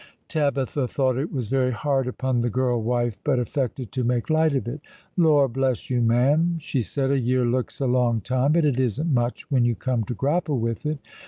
Tabitha thought it was very hard upon the girl wife, but affected to make light of it. " Lor, bless you, ma'am," she said, "a year looks a long time, but it isn't much when you come to grapple with it.